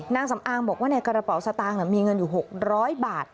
นางสำอางบอกว่าในกระเป๋าสตางค์มีเงินอยู่๖๐๐บาท